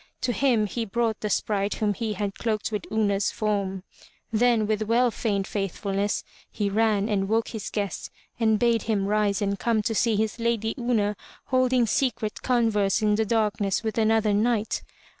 To him he brought the sprite whom he had cloaked with Una's form. Then with well feigned faithful ness, he ran and woke his guest and bade him rise and come to see his lady Una holding secret converse in the darkness with another knight.